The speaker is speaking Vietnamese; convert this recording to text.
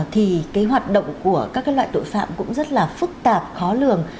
thì cái hoạt động của các loại tội phạm cũng rất là phức tạp khó lường